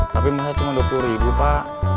tapi masa cuma dua puluh ribu pak